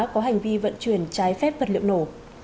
có hành vi vận chuyển trái phép vật liệu nổ